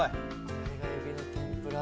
これが海老の天ぷら？